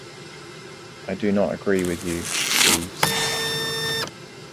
I do not agree with you, Jeeves.